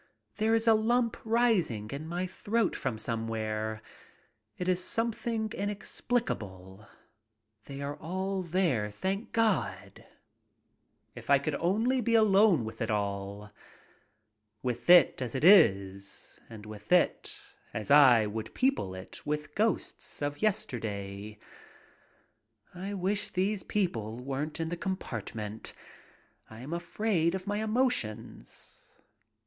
There is a lump rising in my throat from somewhere. It is something inex plicable. They are there, thank God ! If I could only be alone with it all. With it as it is, and with it as I would people it with ghosts of yesterday. I wish these people weren't in the compartment. I am afraid of my emotions.